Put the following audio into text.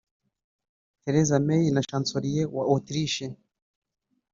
Theresa May na Chancelier wa Autriche